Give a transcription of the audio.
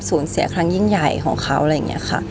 เสียครั้งยิ่งใหญ่ของเขาอะไรอย่างนี้ค่ะ